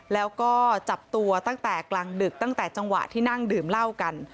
แล้วก็จับตัวตั้งแต่กลางดึกตั้งแต่จังหวะที่นั่งดื่มเหล้ากัน